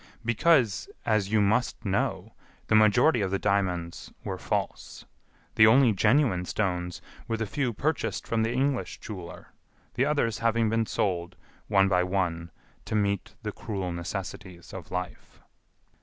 "Because, as you must know, the majority of the diamonds were false. The only genuine stones were the few purchased from the English jeweler, the others having been sold, one by one, to meet the cruel necessities of life."